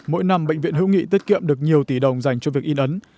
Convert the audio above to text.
mỗi năm bệnh viện hữu nghị tiết kiệm được nhiều tỷ đồng dành cho việc in ấn